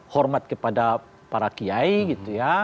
hormat kepada para kiai gitu ya